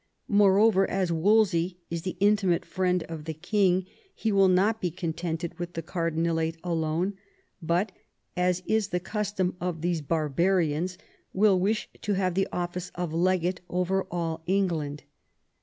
Moreover, as Wolsey is the intimate friend of the king, he will not be contented with the Cardinalate alone, but, as is the custom of these barbarians, will wish to have the office of legate over all England.